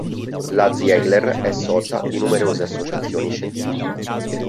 La Ziegler è socia di numerose associazioni scientifiche.